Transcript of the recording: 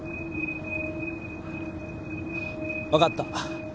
わかった。